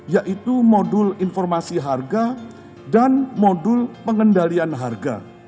yaitu modul informasi harga dan modul pengendalian harga